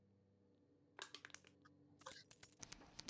Hori bai, egunaren amaieran tantaren bat eror daiteke.